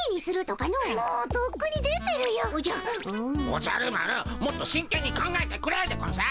おじゃる丸もっと真けんに考えてくれでゴンス。